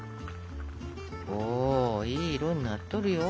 おいい色になっとるよ。